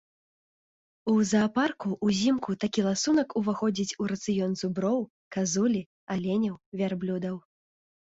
У заапарку ўзімку такі ласунак уваходзіць у рацыён зуброў, казулі, аленяў, вярблюдаў.